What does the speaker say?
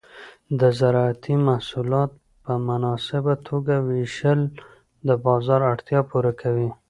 د زراعتي محصولات په مناسبه توګه ویشل د بازار اړتیا پوره کوي.